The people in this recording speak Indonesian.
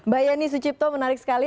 baiani sucipto menarik sekali